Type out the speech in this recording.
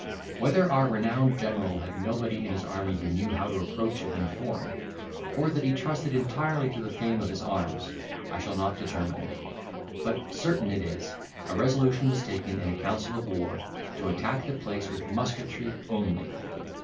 Whether our renowned general had nobody in his army who knew how to approach it in form, or that he trusted entirely to the fame of his arms, I shall not determine; but, certain it is, a resolution was taken in a council of war, to attack the place with musketry only.